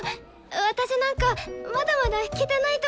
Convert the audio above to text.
私なんかまだまだ弾けてないとこ多いし！